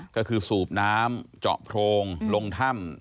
ก็คือสูบน้ำเจาะโพรงลงถ้ำ